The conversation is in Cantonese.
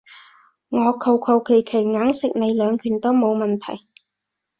我求求其其硬食你兩拳都冇問題